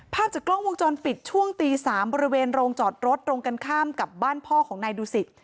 ภาพจากกล้องวงจรปิดช่วงตี๓บริเวณโรงจอดรถตรงกันข้ามกับบ้านพ่อของนายดูสิต